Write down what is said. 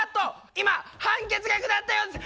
今判決が下ったようです！